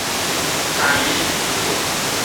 炸魚薯條